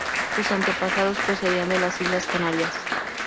Sus antepasados procedían de las islas Canarias.